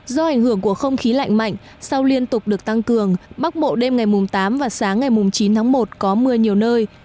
do ảnh hưởng của không khí lạnh mạnh sau liên tục được tăng cường bắc bộ đêm ngày tám và sáng ngày chín tháng một có mưa nhiều nơi